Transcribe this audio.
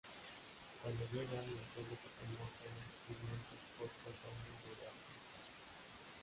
Cuando llegan, el pueblo se quemó hasta los cimientos por los hombres de Walker.